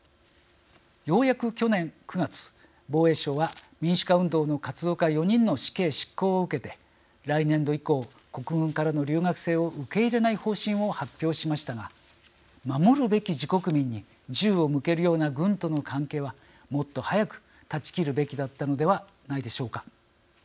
ようやく去年９月、防衛省は民主化運動の活動家４人の死刑執行を受けて来年度以降、国軍からの留学生を受け入れない方針を発表しましたが守るべき自国民に銃を向けるような軍との関係はもっと早く断ち切るべきだったのではないでしょうか。